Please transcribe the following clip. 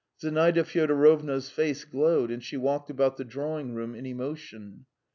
Zinaida Fyodorovna's face glowed, and she walked about the drawing room in emotion.